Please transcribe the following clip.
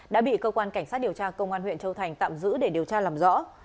đã bị cơ quan cảnh sát điều tra công an huyện châu thành tạm giữ để điều tra làm rõ